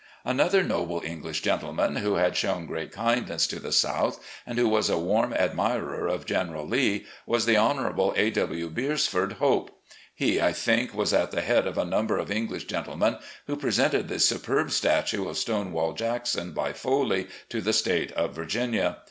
Another noble English gentleman, who had shown great kindness to the South and who was a warm admirer of General Lee, was the Honourable A. W. Beresford Hope. He, I think, was at the head of a number of English gentlemen who presented the superb statue of "Stonewall" Jackson by Foley to the State of Virginia.